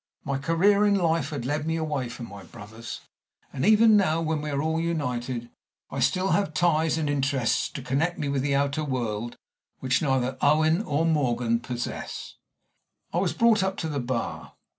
My career in life had led me away from my brothers; and even now, when we are all united, I have still ties and interests to connect me with the outer world which neither Owen nor Morgan possess. I was brought up to the Bar.